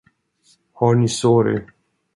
Har ni sorg?